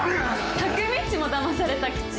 匠っちもだまされた口？